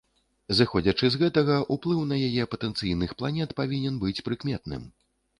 Зыходзячы з гэтага, уплыў на яе патэнцыйных планет павінен быць прыкметным.